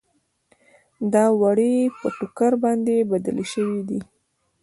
دا وړۍ په ټوکر باندې بدلې شوې دي.